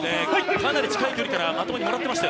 かなり近い距離からまともにもらってました。